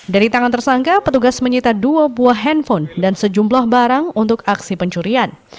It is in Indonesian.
dari tangan tersangka petugas menyita dua buah handphone dan sejumlah barang untuk aksi pencurian